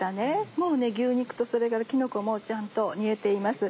もう牛肉とそれからきのこもちゃんと煮えています。